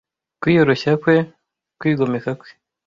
kwiyoroshya kwe kwigomeka kwe